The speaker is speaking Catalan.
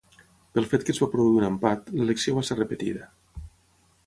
Pel fet que es va produir un empat, l'elecció va ser repetida.